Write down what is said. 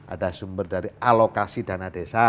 ada sumber dari alokasi dana desa